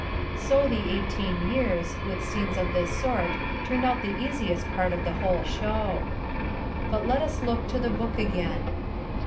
So the eighteen years, with scenes of this sort turn out the easiest part of the whole show. But let us to the book again.